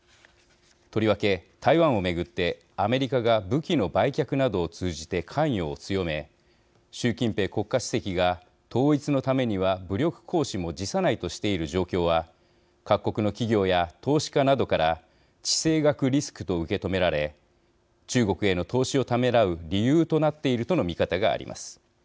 とりわけ台湾を巡ってアメリカが武器の売却などを通じて関与を強め習近平国家主席が統一のためには武力行使も辞さないとしている状況は各国の企業や投資家などから地政学リスクと受け止められ中国への投資をためらう理由となっているとの見方があります。